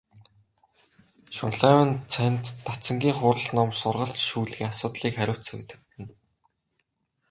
Шунлайв нь цанид дацангийн хурал ном, сургалт шүүлгийн асуудлыг хариуцан удирдана.